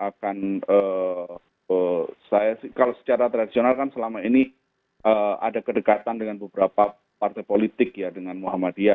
akan saya kalau secara tradisional kan selama ini ada kedekatan dengan beberapa partai politik ya dengan muhammadiyah